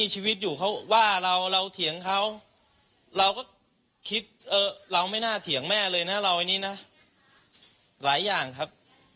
หลายอย่างครับ